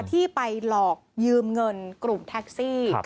ที่ไปหลอกยืมเงินกลุ่มแท็กซี่